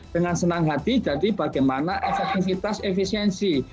dengan senang hati jadi bagaimana efektivitas efisiensi